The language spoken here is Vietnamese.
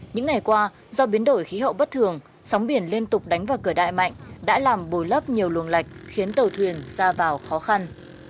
những ngày qua do biến đổi khí hậu bất thường sóng biển liên tục đánh vào cửa đại mạnh đã làm bồi lấp nhiều luồng lạch khiến tàu thuyền ra vào khó khăn